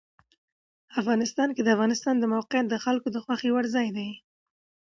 افغانستان کې د افغانستان د موقعیت د خلکو د خوښې وړ ځای دی.